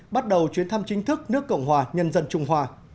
bắt đầu chuyến thăm chính thức nước cộng hòa nhân dân trung hoa